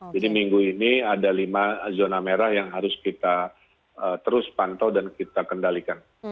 jadi minggu ini ada lima zona merah yang harus kita terus pantau dan kita kendalikan